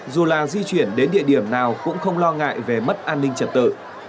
dù là di chuyển đến địa điểm nào cũng không lo ngại về mất an ninh trật tự